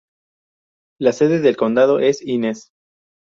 La sede del condado es Inez.